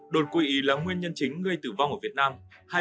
đột quỵ là nguyên nhân chính gây tử vong ở việt nam